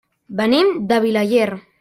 Venim de Vilaller.